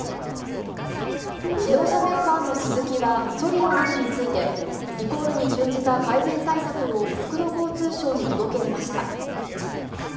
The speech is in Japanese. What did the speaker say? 自動車メーカーのスズキは、ソリオなどについて、リコールに準じた改善対策を国土交通省に届け出ました。